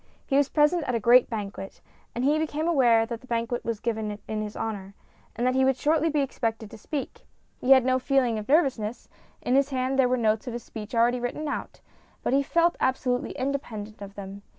He was present at a great banquet, and he became aware that the banquet was given in his honour, and that he would shortly be expected to speak. He had no feeling of nervousness ; in his hand were the notes of his speech already written out, but he felt absolutely independent of them.